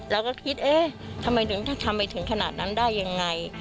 เราก็คิดทำไมถึงขนาดนั้นได้อย่างไร